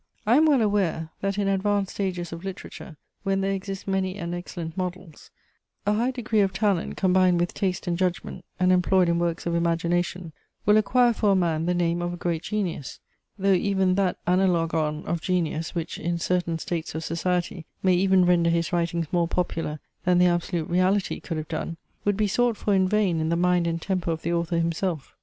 I am well aware, that in advanced stages of literature, when there exist many and excellent models, a high degree of talent, combined with taste and judgment, and employed in works of imagination, will acquire for a man the name of a great genius; though even that analogon of genius, which, in certain states of society, may even render his writings more popular than the absolute reality could have done, would be sought for in vain in the mind and temper of the author himself.